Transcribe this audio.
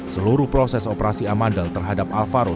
seluruh proses operasi amandel terhadap alvaro